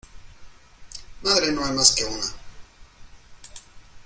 Madre no hay más que una.